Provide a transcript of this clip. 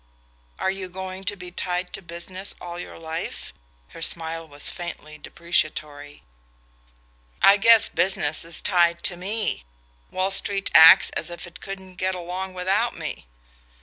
"Are you going to be tied to business all your life?" Her smile was faintly depreciatory. "I guess business is tied to ME: Wall Street acts as if it couldn't get along without me."